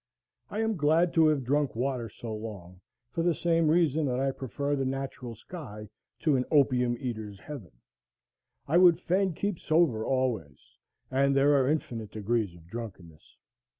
I am glad to have drunk water so long, for the same reason that I prefer the natural sky to an opium eater's heaven. I would fain keep sober always; and there are infinite degrees of drunkenness.